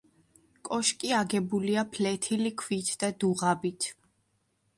კოშკი აგებულია ფლეთილი ქვით და დუღაბით.